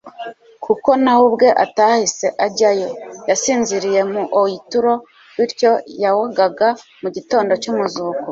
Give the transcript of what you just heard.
kuko na we ubwe atahise ajyayo. Yasinziriye mu oituro bityo yawgaga mu gitondo cy'umuzuko;